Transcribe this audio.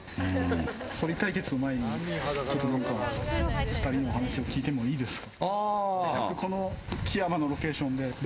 そり対決の前に２人のお話を聞いてもいいですか？